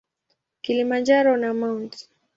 Kilimanjaro na Mt.